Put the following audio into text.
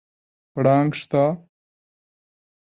پړانګ شته؟